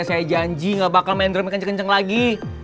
saya janji gak bakal main drum kenceng kenceng lagi